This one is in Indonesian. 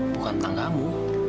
bukan tentang kamu